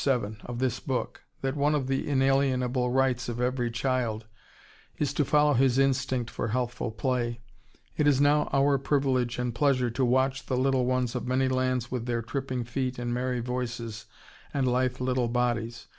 7) of this book, that one of the inalienable rights of every child is to follow his instinct for healthful play, it is now our privilege and pleasure to watch the little ones of many lands with their tripping feet and merry voices and lithe little bodies.